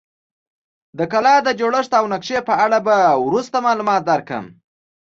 د کلا د جوړښت او نقشې په اړه به وروسته معلومات درکړم.